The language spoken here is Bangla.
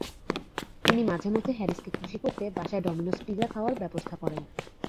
তিনি মাঝেমধ্যে হ্যারিসকে খুশি করতে বাসায় ডমিনস পিজা খাওয়ার ব্যবস্থা করেন।